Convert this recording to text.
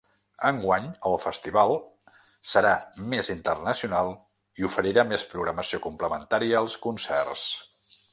Enguany el festival serà més internacional i oferirà més programació complementària als concerts.